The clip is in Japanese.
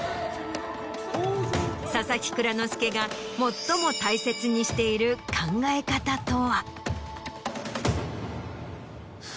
佐々木蔵之介が最も大切にしている考え方とは。